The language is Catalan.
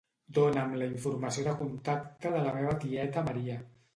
Dona'm la informació de contacte de la meva tieta Maria.